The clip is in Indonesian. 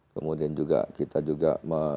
kemudian juga kita juga